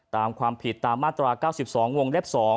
ตามความผิดตามมาตรา๙๒วงเล็บ๒